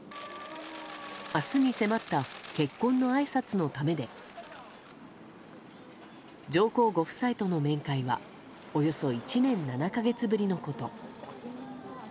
明日に迫った結婚のあいさつのためで上皇ご夫妻との面会はおよそ１年７か月ぶりのこと。